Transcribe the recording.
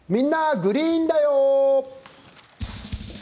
グリーンだよ」。